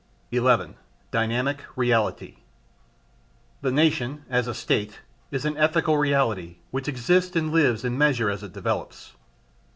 11. Dynamic Reality. The nation as a State is an ethical reality which exists and lives in measure as it develops.